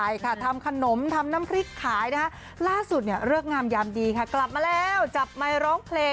อยู่เหรอ